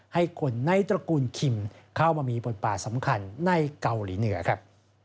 ให้คนในตระกูลคิมเข้ามามีบทบาทสำคัญในเกาหลีเหนือครับ